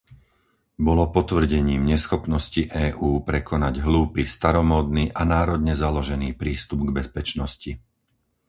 Bolo potvrdením neschopnosti EÚ prekonať hlúpy, staromódny a národne založený prístup k bezpečnosti.